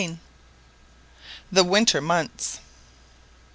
THE WINTER MONTHS.